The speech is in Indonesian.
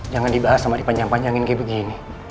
jangan dibahas sama dipanjang panjangin kayak begini